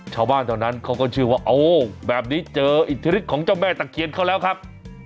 ชาวบ้านเท่านั้นเขาก็เชื่อว่าโอ้แบบนี้เจออิทธิฤทธิของเจ้าแม่ตะเคียนเขาแล้วครับ